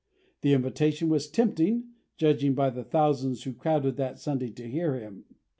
The invitation was tempting, judging by the thousands who crowded that Sunday to hear him.